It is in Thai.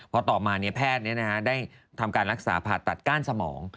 พอต่อมาแพทย์ได้ทำการรักษาผ่าตัดก้านสมอง